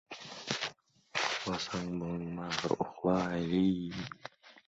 Karaxt-karaxt bet-qo‘l yuvaman.